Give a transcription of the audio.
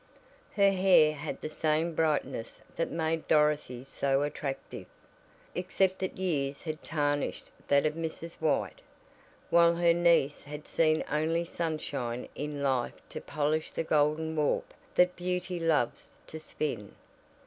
Her hair had the same brightness that made Dorothy's so attractive, except that years had tarnished that of Mrs. White, while her niece had seen only sunshine in life to polish the golden warp that beauty loves to spin.